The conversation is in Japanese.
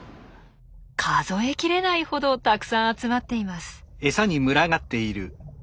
数えきれないほどたくさん集まっています。